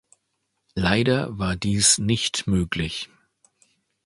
Leider war dies nicht möglich.